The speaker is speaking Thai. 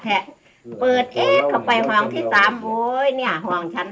เมื่อพร้อมทั้งหมด